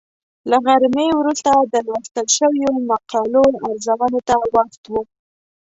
له غرمې وروسته د لوستل شویو مقالو ارزونې ته وخت و.